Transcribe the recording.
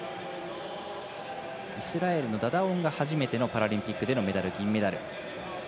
イスラエルのダダオンが初めてのパラリンピックでの初めてのメダル、銀メダル。